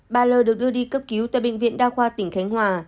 bà l được đưa đi cấp cứu tại bệnh viện đa khoa tỉnh khánh hòa